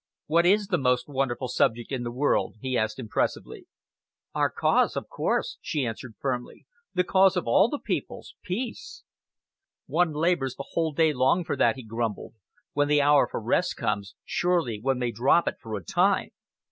"What is the most wonderful subject in the world?" he asked impressively. "Our cause, of course," she answered firmly, "the cause of all the peoples Peace." "One labours the whole day long for that," he grumbled. "When the hour for rest comes, surely one may drop it for a time?"